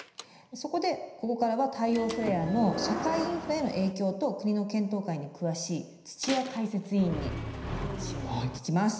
そこでここからは太陽フレアの社会インフラへの影響と国の検討会に詳しい土屋解説委員にお話を聞きます。